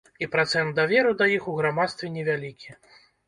І працэнт даверу да іх у грамадстве невялікі.